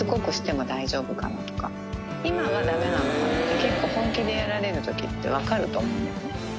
結構本気でやられる時って分かると思うんですね。